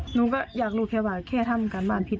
หนูก็อยากรู้แค่ว่าแค่ทำการบ้านผิด